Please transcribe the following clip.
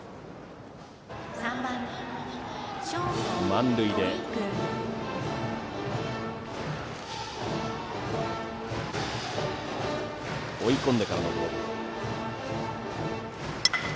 満塁で追い込んでからのボール。